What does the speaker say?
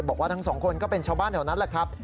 บอกว่าทั้งสองคนก็เป็นชาวบ้านแถวนั้นแหละครับ